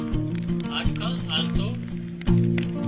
هاڏکان آلتو